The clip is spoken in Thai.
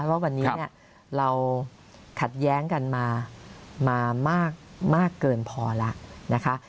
ว่าวันนี้เราขัดแย้งกันมามากเกินพอแล้วนะคะ